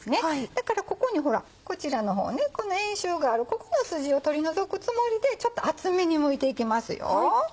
だからここにほらこちらの方ねこの円周があるここの筋を取り除くつもりでちょっと厚めにむいていきます。